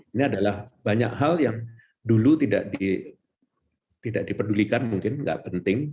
ini adalah banyak hal yang dulu tidak dipedulikan mungkin nggak penting